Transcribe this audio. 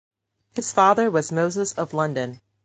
His father was Moses of London.